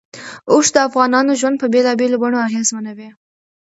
اوښ د افغانانو ژوند په بېلابېلو بڼو اغېزمنوي.